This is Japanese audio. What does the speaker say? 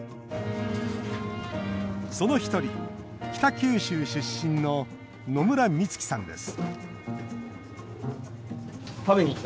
その一人北九州出身の野村満樹さんです